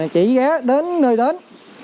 chỉ ghé đến nơi đến